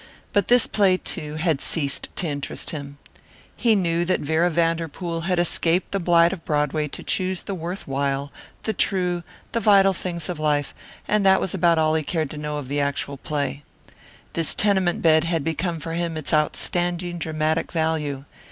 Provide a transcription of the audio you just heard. But this play, too, had ceased to interest him. He knew that Vera Vanderpool had escaped the blight of Broadway to choose the worthwhile, the true, the vital things of life, and that was about all he now cared to know of the actual play. This tenement bed had become for him its outstanding dramatic value.